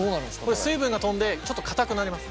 これ水分が飛んでちょっとかたくなります。